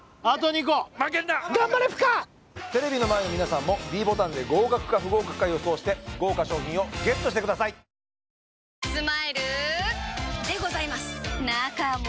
・負けんなテレビの前の皆さんもｄボタンで合格か不合格か予想して豪華賞品をＧＥＴしてください「髪顔体髪顔体